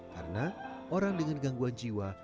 karena orang dengan gangguan jiwa